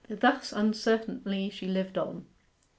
Thus uncertainly she lived on.